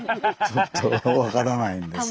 ちょっと分からないんですけども。